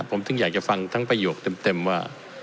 ผมถึงอยากจะฟังทั้งประโยคเต็มว่า